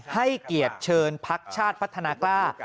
ให้เกียรติเชิญพักชาติพัฒนากล้า